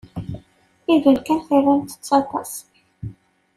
Iban kan tramt-tt aṭas.